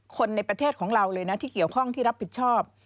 คนในประเทศของเราเลยนะที่เกี่ยวข้องที่รับผิดชอบ